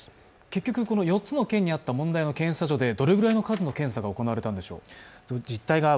結局、４つの県にあった問題の検査所でどれくらいの検査が行われたんでしょう。